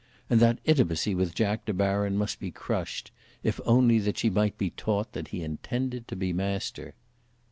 And that intimacy with Jack De Baron must be crushed, if only that she might be taught that he intended to be master.